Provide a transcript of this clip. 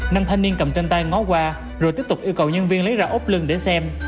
nam thanh niên cầm trên tay ngó qua rồi tiếp tục yêu cầu nhân viên lấy ra ốp lưng để xem